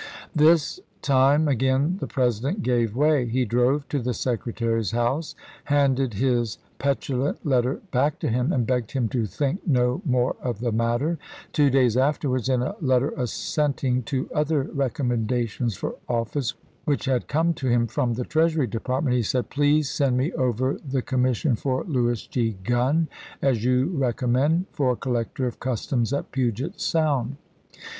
This time again the President gave way. He drove to the Secretary's house, handed his pet ulant letter back to him, and begged him to think May 13,1863. no more of the matter.1 Two days afterwards, in a letter assenting to other recommendations for office which had come to him from the Treasury Depart warden, ment, he said5 " Please send me over the commis saimon°p. sion for Lewis C. G unn, as you recommend, for col p.S lector of customs at Puget Sound."